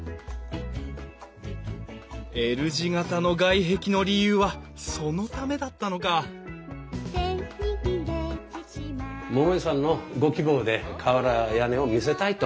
Ｌ字形の外壁の理由はそのためだったのか桃井さんのご希望で瓦屋根を見せたいと。